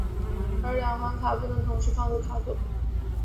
而两款卡不能同时放入卡组。